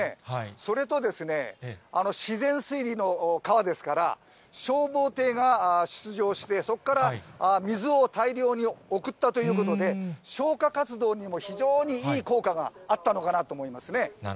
それとですね、自然すいりの川ですから、消防艇が出場して、そこから水を大量に送ったということで、消火活動にも非常にいい効果があったのかなと思いますね。